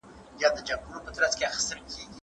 خلګ کولای سي يو بل سره مرسته وکړي.